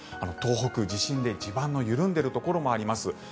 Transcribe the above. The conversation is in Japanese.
東北、地震で地盤の緩んでいるところもあります。